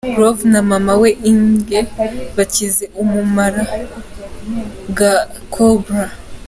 Grove na mama we Inge bakize ubumara bwa Cobra.